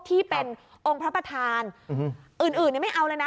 ที่เป็นองค์พระประธานอื่นไม่เอาเลยนะ